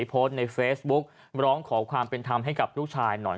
โพสต์ในเฟซบุ๊กร้องขอความเป็นธรรมให้กับลูกชายหน่อย